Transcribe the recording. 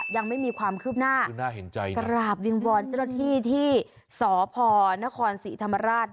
ยังไม่มีความคืบหน้า